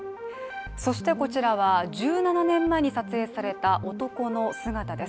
そしてこちらは、１７年前に撮影された男の姿です。